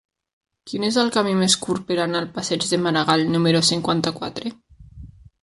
Quin és el camí més curt per anar al passeig de Maragall número cinquanta-quatre?